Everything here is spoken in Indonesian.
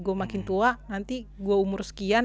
gue makin tua nanti gue umur sekian